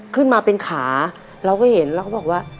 ขึ้นมาเป็นขาเราก็เห็นแล้วก็บอกว่า